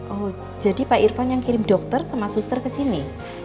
oh jadi pak irfan yang kirim dokter sama suster ke sini